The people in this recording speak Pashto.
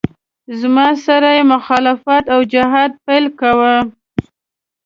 زما سره یې مخالفت او جهاد پیل کاوه.